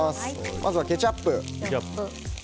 まずはケチャップ。